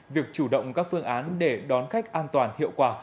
việc chủ động các phương án để đón khách an toàn hiệu quả